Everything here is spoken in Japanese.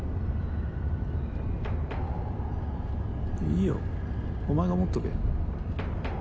いいよお前が持っとけ。